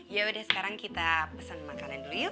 yaudah sekarang kita pesen makanan dulu yuk